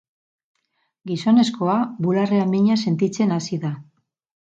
Gizonezkoa bularrean mina sentitzen hasi da.